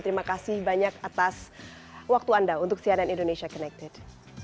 terima kasih banyak atas waktu anda untuk cnn indonesia connected